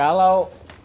kalau ikra apa itu